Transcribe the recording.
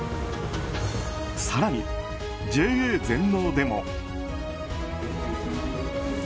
更に、ＪＡ全農でも。